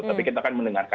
tapi kita akan mendengarkan